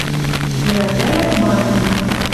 Йӹрӓлтӓлят, манны: